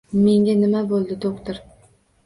Menga nima bo’ldi, doktor?